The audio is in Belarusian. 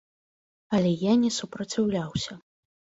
Але я не супраціўляўся.